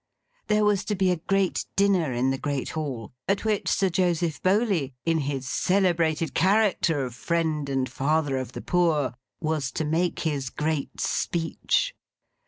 There was to be a great dinner in the Great Hall. At which Sir Joseph Bowley, in his celebrated character of Friend and Father of the Poor, was to make his great speech.